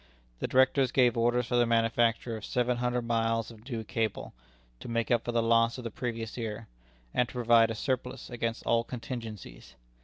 The Directors gave orders for the manufacture of seven hundred miles of new cable, to make up for the loss of the previous year, and to provide a surplus against all contingencies.